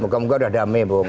muka muka udah damai bung